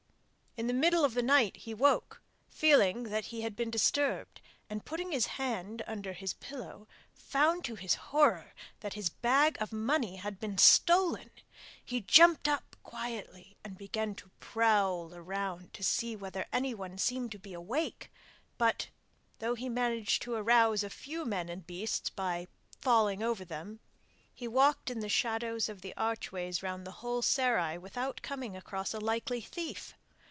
In the middle of the night he woke, feeling that he had been disturbed, and putting his hand under his pillow found to his horror that his bag of money had been stolen. He jumped up quietly and began to prowl around to see whether anyone seemed to be awake, but, though he managed to arouse a few men and beasts by falling over them, he walked in the shadow of the archways round the whole serai without coming across a likely thief.